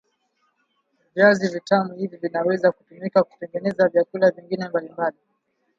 viazi vitam hivi vinaweza kutumika kutengeneza vyakula vingine mbali mbali